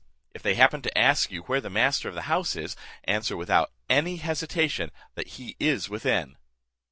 If they happen to ask you where the master of the house is, answer, without any hesitation, that he is within."